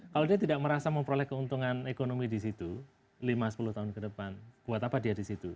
kalau dia tidak merasa memperoleh keuntungan ekonomi di situ lima sepuluh tahun ke depan buat apa dia di situ